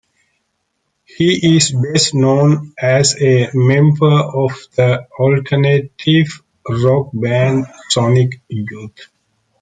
He is best known as a member of the alternative rock band Sonic Youth.